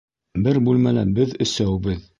Бер бүлмәлә беҙ өсәүбеҙ.